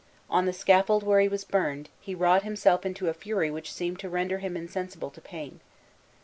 On the scaffold where he was burned, he wrought himself into a fury which seemed to render him insensible to pain.